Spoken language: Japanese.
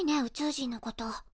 宇宙人のこと。